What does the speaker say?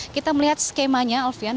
kita melihat skemanya alfian